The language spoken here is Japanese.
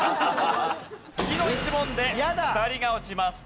次の１問で２人が落ちます。